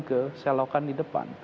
ke selokan di depan